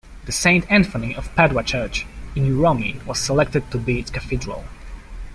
The Saint Anthony of Padua church in Uromi was selected to be its cathedral.